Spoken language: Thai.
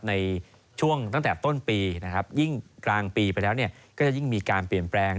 ในช่วงตั้งแต่ต้นปีนะครับยิ่งกลางปีไปแล้วก็จะยิ่งมีการเปลี่ยนแปลง